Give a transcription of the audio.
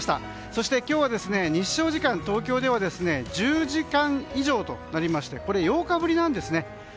そして今日の日照時間、東京では１０時間以上となりまして８日ぶりなんですね。